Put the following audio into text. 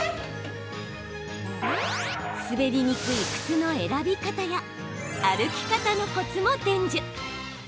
滑りにくい靴の選び方や歩き方のコツも伝授。